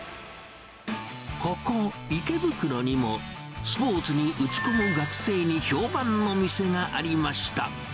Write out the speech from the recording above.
ここ、池袋にも、スポーツに打ち込む学生に評判の店がありました。